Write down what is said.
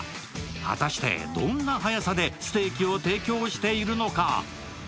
果たして、どんな速さでステーキを提供しているのか？